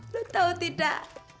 lu tau tidak